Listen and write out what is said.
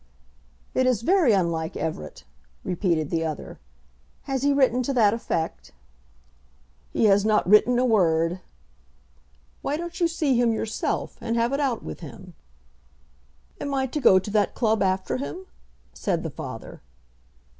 "It is very unlike Everett," repeated the other. "Has he written to that effect?" "He has not written a word." "Why don't you see him yourself, and have it out with him?" "Am I to go to that club after him?" said the father.